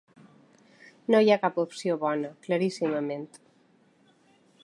No hi ha cap opció bona, claríssimament.